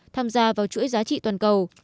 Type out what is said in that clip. tham gia vào chuỗi giá trị toàn cầu